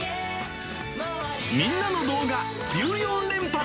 みんなの動画１４連発。